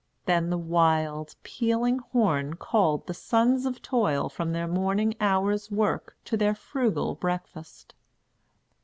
Then the wild, pealing horn called the "sons of toil" from their morning hour's work to their frugal breakfast.